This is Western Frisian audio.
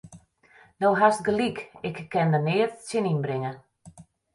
Do hast gelyk, ik kin der neat tsjin ynbringe.